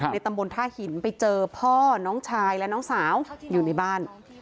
ตำบลท่าหินไปเจอพ่อน้องชายและน้องสาวอยู่ในบ้าน